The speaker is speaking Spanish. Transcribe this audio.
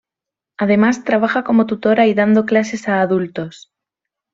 Además trabaja como tutora y dando clases a adultos.